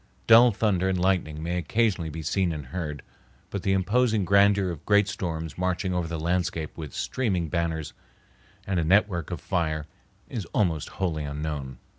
Dull thunder and lightning may occasionally be seen and heard, but the imposing grandeur of great storms marching over the landscape with streaming banners and a network of fire is almost wholly unknown.